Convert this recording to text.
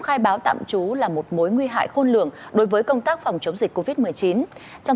thực hiện tạm trú là một mối nguy hại khôn lượng đối với công tác phòng chống dịch cô viết một mươi chín trong